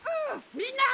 みんな！